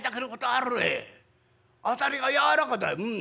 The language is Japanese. あたりがやわらかだようん。